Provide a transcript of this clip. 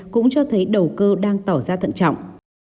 cũng cho thấy đầu cơ đang tỏ ra thận trọng